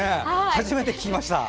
初めて聞きました。